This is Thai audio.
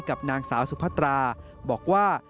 กับนางสาวสุพัตราบอกว่า